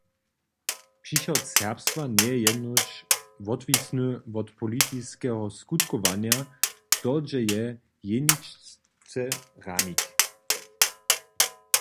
Přichod serbstwa njeje jenož wotwisny wot politiskeho skutkowanja, to dźe je jeničce ramik.